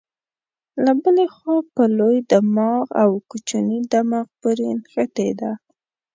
له بلې خوا په لوی دماغ او کوچني دماغ پورې نښتې ده.